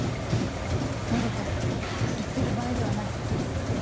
などと言ってる場合ではない